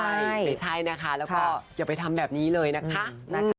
ใช่ไม่ใช่นะคะแล้วก็อย่าไปทำแบบนี้เลยนะคะ